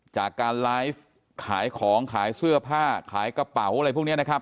จากการไลฟ์ขายของขายเสื้อผ้าขายกระเป๋าอะไรพวกนี้นะครับ